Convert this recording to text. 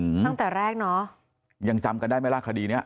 ตั้งแต่แรกเนอะยังจำกันได้ไหมล่ะคดีเนี้ย